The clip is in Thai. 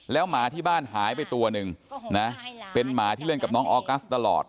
แล้วหมาที่บ้านหายไปตัวหนึ่งนะเป็นหมาที่เล่นกับน้องออกัสตลอด